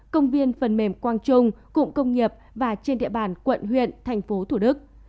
công viên phần mềm quang trung cụng công nghiệp và trên địa bàn quận huyện thành phố thủ đức